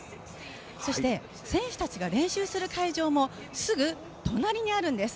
そして選手たちが練習する会場もすぐ隣にあるんです。